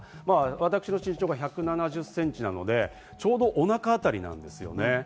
私の身長が１７０ｃｍなので、ちょうどおなかあたりなんです。